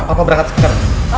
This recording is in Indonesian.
papa berangkat sekitar